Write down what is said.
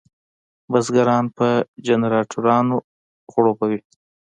بزګران په جنراټورانو خړوبوي.